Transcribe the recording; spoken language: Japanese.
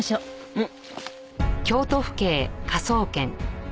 うん。